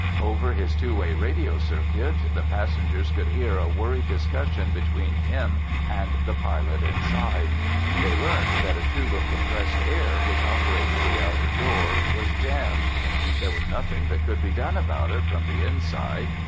Over his two way radio circuit, the passengers could hear a worried discussion between him and the pilot inside. They learned that a tube of compressed air which operated the outer door was jammed. There was nothing that could be done about it from the inside.